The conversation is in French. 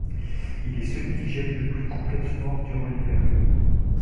Il est celui qui gèle le plus complètement durant l'hiver.